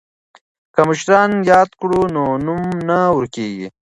که مشران یاد کړو نو نوم نه ورکيږي.